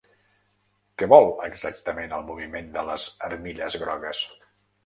Què vol exactament el moviment de les armilles grogues?